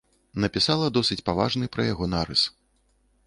Напісала досыць паважны пра яго нарыс.